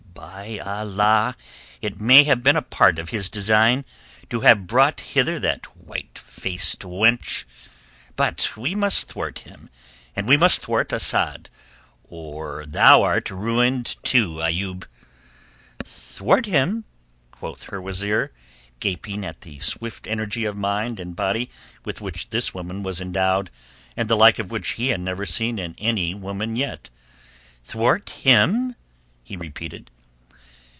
"By Allah it may have been a part of his design to have brought hither that white faced wench. But we must thwart him and we must thwart Asad, or thou art ruined too, Ayoub." "Thwart him?" quoth her wazeer, gaping at the swift energy of mind and body with which this woman was endowed, the like of which he had never seen in any woman yet. "Thwart him?" he repeated.